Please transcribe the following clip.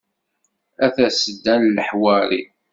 A tasedda n leḥwari.